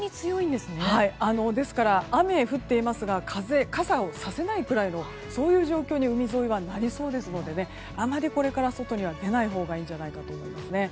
ですから雨が降っていますが傘をさせないくらいの風そういう状況に海沿いはなりそうですのであまりこれから外には出ないほうがいいんじゃないかと思います。